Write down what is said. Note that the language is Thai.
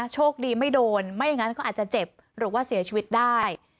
โชคดีไม่โดนไม่อย่างนั้นก็อาจจะเจ็บหรือว่าเสียชีวิตได้